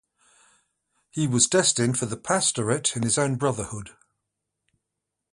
He was destined for the pastorate in his own brotherhood.